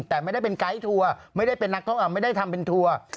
แต่ไม่ได้เป็นไกท์ทัวร์ไม่ได้ทำเป็นทัวร์